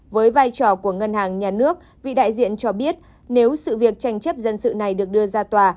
với vai trò của ngân hàng nhà nước vị đại diện cho biết nếu sự việc tranh chấp dân sự này được đưa ra tòa